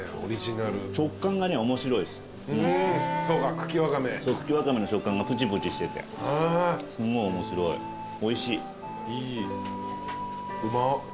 茎わかめの食感がプチプチしててすんごい面白いおいしい。